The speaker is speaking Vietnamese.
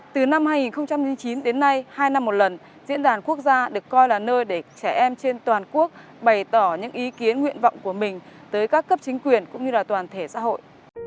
từ năm hai nghìn chín đến nay hai năm một lần diễn đàn quốc gia được coi là nơi để trẻ em trên toàn quốc bày tỏ những ý kiến nguyện vọng của mình tới các cấp chính quyền cũng như là toàn thể xã hội